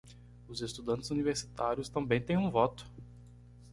Os estudantes universitários também têm um voto